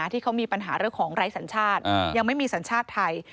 ที่เขามีปัญหาเรื่องของไร้สัญชาติยังไม่มีสัญชาติไทย